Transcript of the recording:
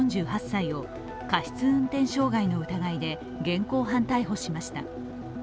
４８歳を過失運転傷害の疑いで現行犯逮捕しました。